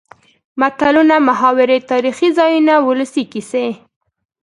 متلونه ،محاورې تاريخي ځايونه ،ولسي کسې.